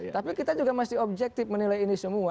tapi kita juga masih objektif menilai ini semua